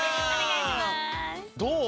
どう？